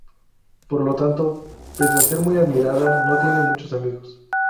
Por lo tanto, pese a ser muy admirada, no tiene muchos amigos.